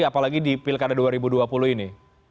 apalagi di pilkada dua ribu dua puluh ini